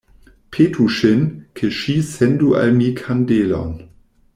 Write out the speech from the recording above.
Petu ŝin, ke ŝi sendu al mi kandelon.